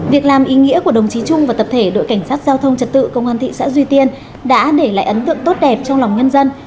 việc làm ý nghĩa của đồng chí trung và tập thể đội cảnh sát giao thông trật tự công an thị xã duy tiên đã để lại ấn tượng tốt đẹp trong lòng nhân dân